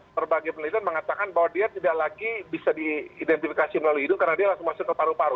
berbagai penelitian mengatakan bahwa dia tidak lagi bisa diidentifikasi melalui hidung karena dia langsung masuk ke paru paru